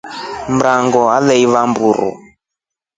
Mrango arewa aeva mburu.